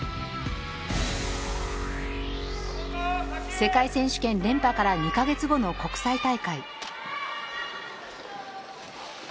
世界選手権連覇から２カ月後の国際大会。